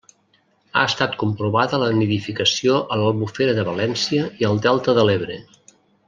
Ha estat comprovada la nidificació a l'Albufera de València i al Delta de l'Ebre.